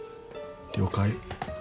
了解。